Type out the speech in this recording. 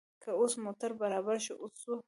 که اوس موټر برابر شو، اوس ځو.